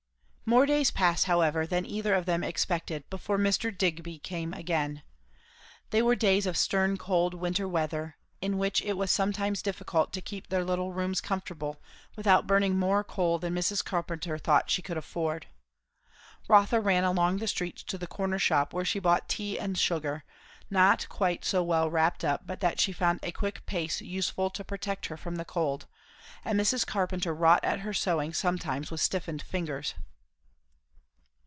More days passed however, than either of them expected, before Mr. Digby came again. They were days of stern cold winter weather, in which it was sometimes difficult to keep their little rooms comfortable without burning more coal than Mrs. Carpenter thought she could afford. Rotha ran along the streets to the corner shop where she bought tea and sugar, not quite so well wrapped up but that she found a quick pace useful to protect her from the cold; and Mrs. Carpenter wrought at her sewing sometimes with stiffened fingers.